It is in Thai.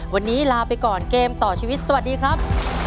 วันนี้ลาไปก่อนเกมต่อชีวิตสวัสดีครับ